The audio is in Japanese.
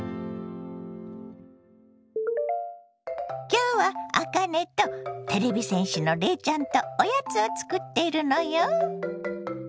今日はあかねとてれび戦士のレイちゃんとおやつを作っているのよ。